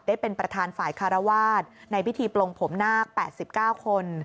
ได้เป็นประธานฝ่ายคารวาสในพิธีปลงผมนาค๘๙คน